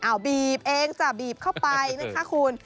เอาบีบเองจ้ะบีบเข้าไปนะคะคุณ